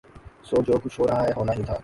سو جو کچھ ہورہاہے ہونا ہی تھا۔